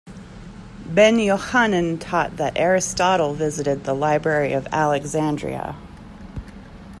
Ben-Jochannan taught that Aristotle visited the Library of Alexandria.